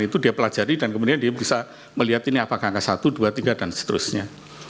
itu dia pelajari dan kemudian dia bisa melihat ini apakah angka satu dua tiga dan seterusnya